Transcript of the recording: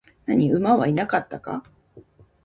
何、馬はいなかったか?